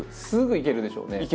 すぐいけるでしょうね。